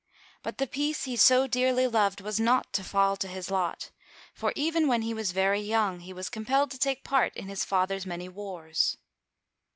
But the peace he so dearly loved was not to fall to his lot, for even when very young he was compelled to take part in his father*s many wars.